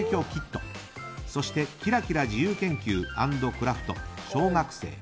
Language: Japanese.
そして、「キラキラ自由研究＆クラフト小学生」。